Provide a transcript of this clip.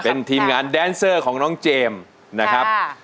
เป็นทีมงานแดนเซอร์ของน้องเจมส์นะครับ